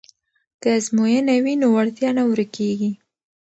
که ازموینه وي نو وړتیا نه ورکیږي.